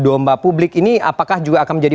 domba publik ini apakah juga akan menjadi